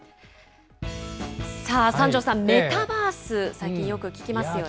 さあ、三條さん、メタバース、最近よく聞きますよね。